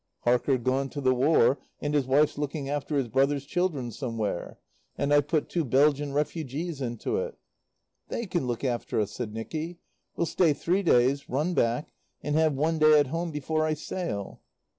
"Harker gone to the War, and his wife's looking after his brother's children somewhere. And I've put two Belgian refugees into it." "They can look after us," said Nicky. "We'll stay three days, run back, and have one day at home before I sail."